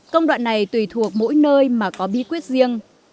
công đoạn này tùy thuộc mỗi nơi mà có bí quyết riêng